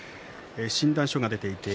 診断書が出ています。